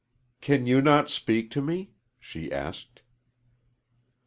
"Can you not speak to me?" she asked.